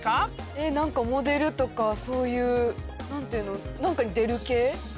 えっ何かモデルとかそういう何ていうの何かに出る系。